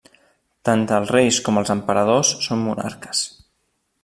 Tant el reis com els emperadors són monarques.